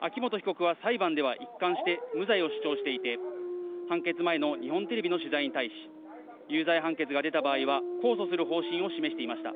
秋元被告は裁判では一貫して無罪を主張していて、判決前の日本テレビの取材に対し、有罪判決が出た場合は控訴する方針を示していました。